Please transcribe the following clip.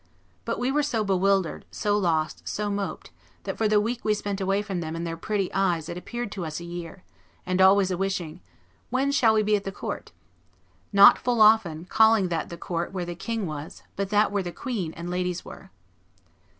But we were so bewildered, so lost, so moped, that for the week we spent away from them and their pretty eyes it appeared to us a year; and always a wishing, 'When shall we be at the court?' Not, full often, calling that the court where the king was, but that where the queen and ladies were."